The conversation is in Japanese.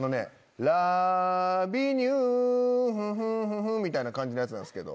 ラビニュフフンみたいな感じのやつなんですけど。